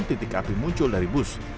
titik api muncul dari bus